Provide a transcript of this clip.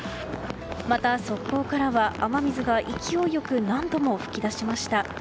また、側溝からは雨水が勢いよく何度も噴き出しました。